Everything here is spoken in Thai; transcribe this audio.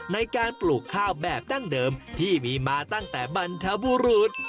ในการปลูกข้าวแบบดั้งเดิมที่มีมาตั้งแต่บรรทบุรุษ